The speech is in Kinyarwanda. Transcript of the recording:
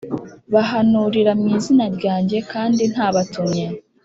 Bahanurira mu izina ryanjye kandi ntabatumye